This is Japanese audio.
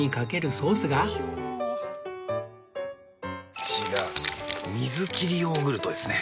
こちら水切りヨーグルトですね。